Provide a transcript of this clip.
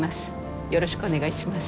よろしくお願いします。